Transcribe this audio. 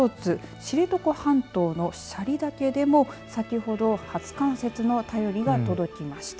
知床半島の斜里岳でも先ほど初冠雪の便りが届きました。